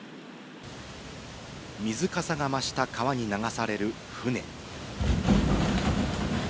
水かさが増した川に流される船。